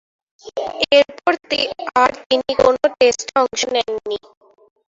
এরপর আর তিনি কোন টেস্টে অংশ নেননি।